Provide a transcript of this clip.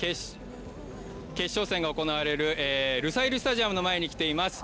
こちら、決勝戦が行われるルサイルスタジアムの前に来ています。